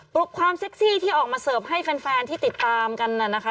ลุกความเซ็กซี่ที่ออกมาเสิร์ฟให้แฟนที่ติดตามกันน่ะนะคะ